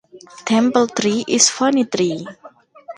Temple tree is Vanni tree.